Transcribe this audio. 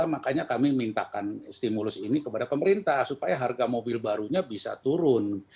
makanya kami mintakan stimulus ini kepada pemerintah supaya harga mobil barunya bisa turun